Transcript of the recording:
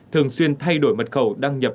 thường xuyên thay đổi mật khẩu đăng nhập